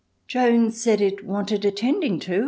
Jones said it wanted attending to.